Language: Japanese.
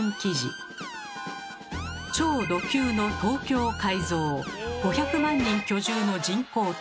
「超ド級の東京改造」「５００万人居住の人工島」。